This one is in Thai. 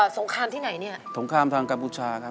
สงครามที่ไหนเนี่ยสงครามทางกัมพูชาครับ